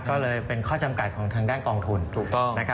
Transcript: ก็เลยเป็นข้อจำกัดของทางด้านกองทุนถูกต้อง